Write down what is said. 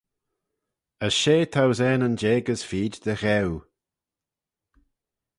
As shey thousaneyn jeig as feed dy ghew.